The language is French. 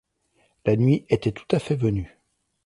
La nuit était tout à fait venue.